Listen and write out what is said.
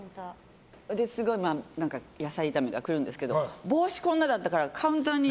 すごい野菜炒めが来るんですけど帽子がこんなんだったからカウンターに。